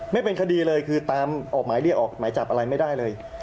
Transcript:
ไม่เป็นคดีเลยคือตามออกหมายเรียกออกหมายจับอะไรไม่ได้เลย